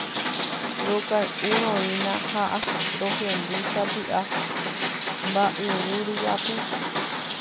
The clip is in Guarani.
Rokay'uroína ha rohendu sapy'a mba'yru ryapu.